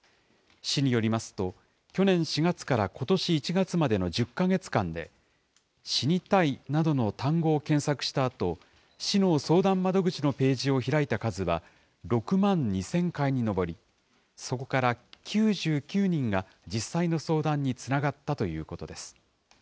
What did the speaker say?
市によりますと、去年４月からことし１月までの１０か月間で、死にたいなどの単語を検索したあと、市の相談窓口のページを開いた数は、６万２０００回に上り、そこから９９人が実際の相談につながったということです。